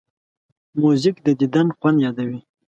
موزیک د دیدن خوند یادوي.